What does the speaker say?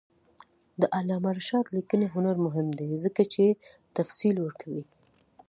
د علامه رشاد لیکنی هنر مهم دی ځکه چې تفصیل ورکوي.